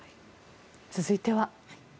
続いては。